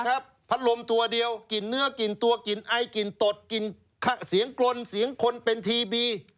พัดลมตัวเดียวกลิ่นเนื้อกลิ่นตัวกลิ่นไอกลิ่นตดกลิ่นเสียงกลนเสียงคนเป็นทีวี